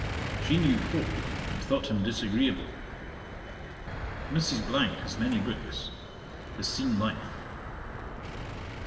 She knew Pope, and thought him disagreeable. Mrs. has many books; has seen life.